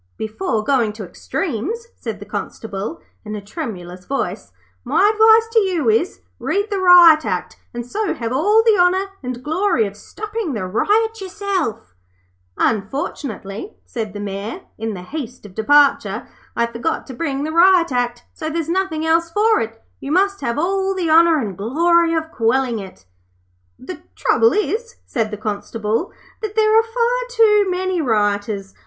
'Before going to extremes,' said the Constable, in a tremulous voice, 'my advice to you is, read the Riot Act, and so have all the honour and glory of stopping the riot yourself.' 'Unfortunately,' said the Mayor, 'in the haste of departure, I forgot to bring the Riot Act, so there's nothing else for it; you must have all the honour and glory of quelling it.' 'The trouble is,' said the Constable, 'that there are far too many rioters.